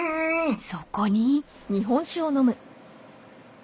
［そこに］